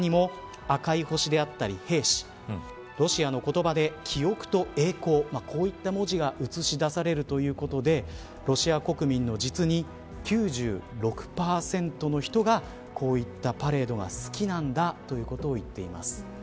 ハトの他にも赤い星であったり兵士ロシアの言葉で、記憶と栄光こういった文字が映し出されるということでロシア国民の、実に９６％の人がこういったパレードが好きなんだということをいっています。